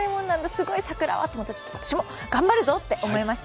すごい桜はと思って、私も頑張るぞと思いました。